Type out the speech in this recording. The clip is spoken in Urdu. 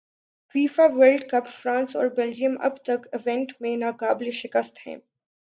فیفا ورلڈ کپ فرانس اور بیلجیئم اب تک ایونٹ میں ناقابل شکست ہیں